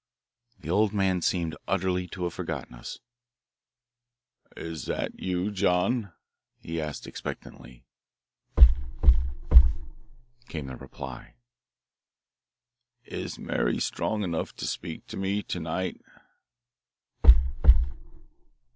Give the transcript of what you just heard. The old man seemed utterly to have forgotten us. "Is that you, John?" he asked expectantly. Rap! rap! rap! came the reply. "Is Mary strong enough to speak to me to night?"